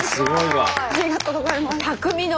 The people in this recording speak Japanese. ありがとうございます。